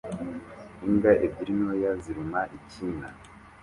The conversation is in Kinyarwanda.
Imbwa ebyiri ntoya ziruma ikina